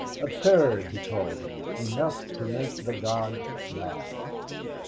Absurd, he called it enough to make the gods laugh.